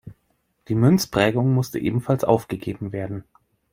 Die Münzprägung musste ebenfalls aufgegeben werden.